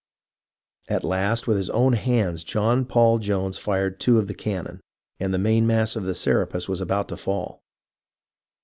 At last with his own hands John Paul Jones fired two of the cannon, and the mainmast of the Serapis was about to fall.